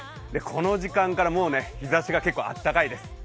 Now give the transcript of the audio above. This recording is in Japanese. この時間からもう日ざしが結構暖かいです。